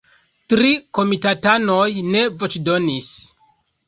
Tri komitatanoj ne voĉdonis.